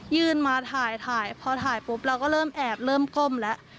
ยืนมาถ่ายถ่ายพอถ่ายปุ๊บเราก็เริ่มแอบเริ่มก้มแล้ว